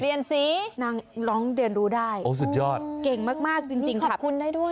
ตรงแลงลองเรียนรู้ได้โอ้สุดยอดเก่งมากจริงอะใช่ควรได้ด้วย